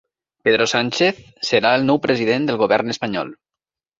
Pedro Sánchez serà el nou president del govern espanyol